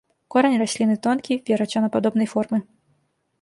Корань расліны тонкі, верацёнападобнай формы.